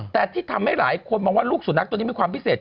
แต่ที่ทำให้หลายคนมองว่าลูกสุนัขตัวนี้มีความพิเศษ